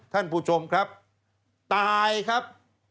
ท่านผู้ชมครับตายครับ